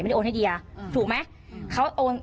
ไม่ได้โอนให้เดียถูกไหม